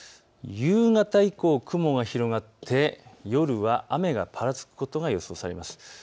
夕方以降、雲が広がって夜は雨がぱらつくことが予想されます。